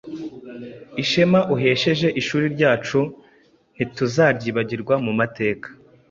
Ishema uhesheje ishuri ryacu, ntituzaryibagirwa mu mateka!